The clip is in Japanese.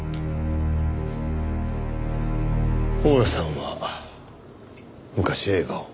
大屋さんは昔映画を。